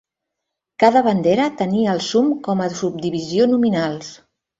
Cada bandera tenia el sum com a subdivisió nominals.